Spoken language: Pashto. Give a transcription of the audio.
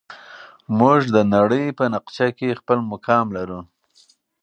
موږ د نړۍ په نقشه کې خپل مقام غواړو.